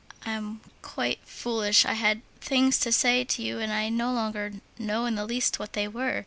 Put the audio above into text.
I am quite foolish. I had things to say to you, and I no longer know in the least what they were.